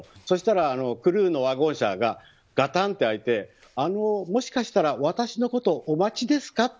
そしたら、クルーのワゴン車がガタンと開いてあの、もしかしたら私のことお待ちですか？